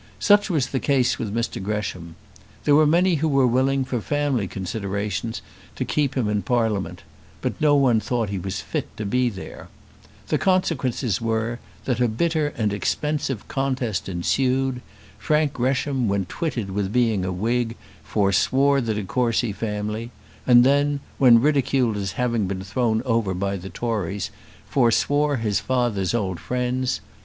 Such was the case with Mr Gresham. There were many who were willing, for family considerations, to keep him in Parliament; but no one thought that he was fit to be there. The consequences were, that a bitter and expensive contest ensued. Frank Gresham, when twitted with being a Whig, foreswore the de Courcy family; and then, when ridiculed as having been thrown over by the Tories, foreswore his father's old friends.